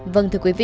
vâng thưa quý vị